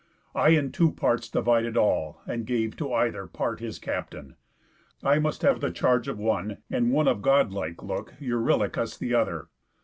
I in two parts divided all, and gave To either part his captain. I must have The charge of one; and one of God like look, Eurylochus, the other.